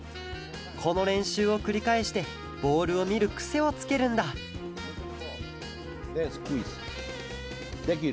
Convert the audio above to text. このれんしゅうをくりかえしてボールをみるくせをつけるんだできる？